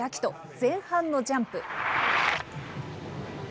前半のジャンプ。